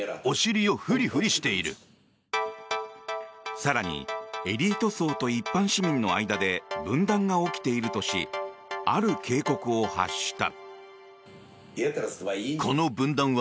更にエリート層と一般市民の間で分断が起きているとしある警告を発した。